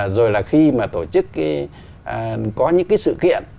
rồi là khi mà tổ chức có những cái sự kiện